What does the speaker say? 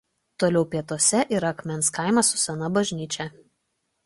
Toliau pietuose yra Akmens kaimas su sena bažnyčia.